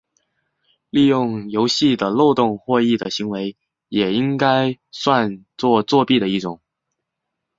利用游戏的漏洞获益的行为也应该算作作弊的一种。